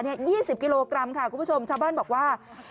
๒๐กิโลกรัมค่ะคุณผู้ชมชาวบ้านบอกว่า